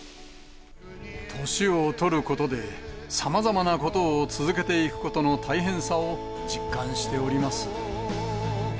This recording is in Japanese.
年を取ることで、さまざまなことを続けていくことの大変さを実感しております。